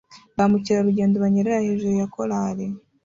Ba mukerarugendo banyerera hejuru ya korali